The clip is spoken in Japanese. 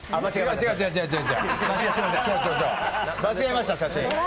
間違えました写真。